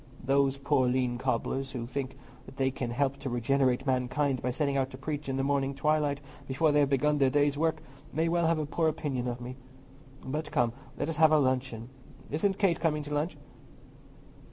Those poor lean cobblers, who think they can help to regenerate mankind by setting out to preach in the morning twilight before they begin their day's work, may well have a poor opinion of me. But come, let us have our luncheon. Isn't Kate coming to lunch?"